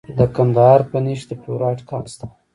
د کندهار په نیش کې د فلورایټ کان شته.